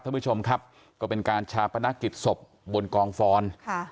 ท่านผู้ชมครับก็เป็นการชาปนกิจศพบนกองฟอนค่ะ